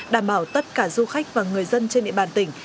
đảm bảo tất cả du khách và người dân trên địa bàn tỉnh